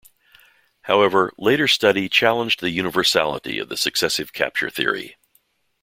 However, later study challenged the universality of the successive capture theory.